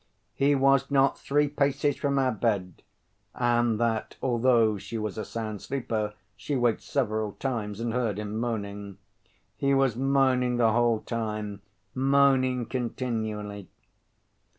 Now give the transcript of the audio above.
"He was not three paces from our bed," and that although she was a sound sleeper she waked several times and heard him moaning, "He was moaning the whole time, moaning continually."